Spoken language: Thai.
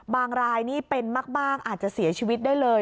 รายนี่เป็นมากอาจจะเสียชีวิตได้เลย